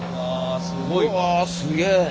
うわすげえ。